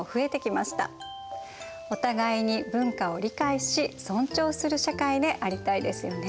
お互いに文化を理解し尊重する社会でありたいですよね。